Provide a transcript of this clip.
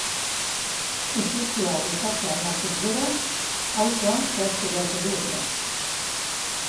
Instrukzioa luzatzea onartuz gero, autoan zehaztu beharko du epea.